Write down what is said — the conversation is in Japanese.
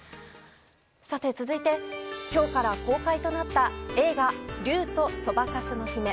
続いて今日から公開となった映画「竜とそばかすの姫」。